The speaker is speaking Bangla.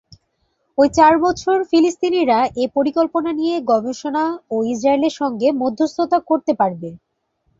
ওই চার বছর ফিলিস্তিনিরা এ পরিকল্পনা নিয়ে গবেষণা ও ইসরায়েলের সঙ্গে মধ্যস্থতা করতে পারবে।